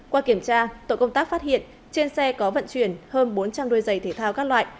qua kiểm tra tội công tác phát hiện trên xe có vận chuyển hơn bốn trăm linh đôi giày thể thao các loại